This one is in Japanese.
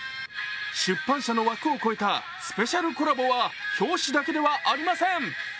出版社の枠を超えたスペシャルコラボは表紙だけではありません。